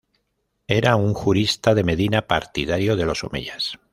Era un jurista de Medina partidario de los Omeyas.